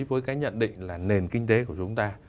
với cái nhận định là nền kinh tế của chúng ta